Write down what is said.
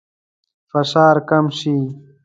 فشار کم شي.